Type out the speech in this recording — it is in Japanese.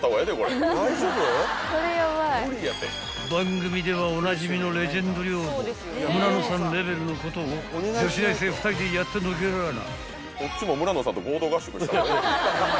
［番組ではおなじみのレジェンド寮母村野さんレベルのことを女子大生２人でやってのけらぁな］